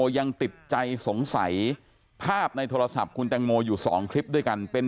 ยังติดใจสงสัยภาพในโทรศัพท์คุณแตงโมอยู่๒คลิปด้วยกันเป็น